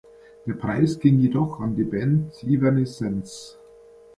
Der Preis ging jedoch an die Band Evanescence.